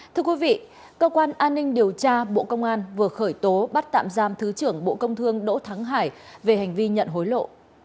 thưa quý vị cơ quan an ninh điều tra bộ công an vừa khởi tố bắt tạm giam thứ trưởng bộ công thương đỗ thắng hải về hành vi nhận hối lộ